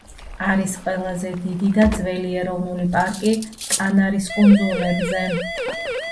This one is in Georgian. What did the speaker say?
არის ყველაზე დიდი და ძველი ეროვნული პარკი კანარის კუნძულებზე.